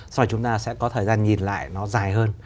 sau này chúng ta sẽ có thời gian nhìn lại nó dài hơn